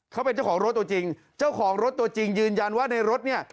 เขาเป็นเจ้าของรถตัวจริงเจ้าของรถตัวจริงยืนยันว่าในรถเนี่ย